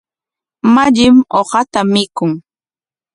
Mallim uqata mikun.